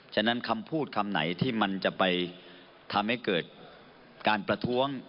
ฉะนั้นคำพูดคำไหนที่มันจะไปทำให้เกิดการประท้วง